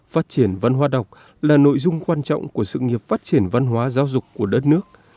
phát triển văn hóa đọc là nội dung quan trọng của sự nghiệp phát triển văn hóa giáo dục của đất nước